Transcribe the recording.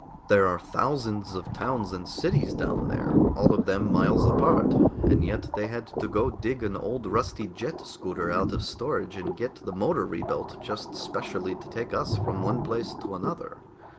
"There are thousands of towns and cities down there, all of them miles apart, and yet they had to go dig an old rusty jet scooter out of storage and get the motor rebuilt just specially to take us from one place to another.